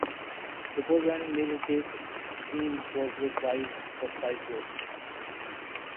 Before joining Major Case, Eames was with Vice for five years.